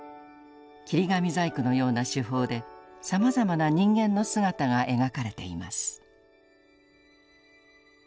切り紙細工のような手法でさまざまな人間の姿が描かれています。